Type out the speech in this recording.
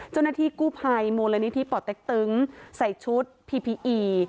เจ้าหน้าที่กู้ภัยมูลนิธิป่อเต็กตึงใส่ชุดพีพีอี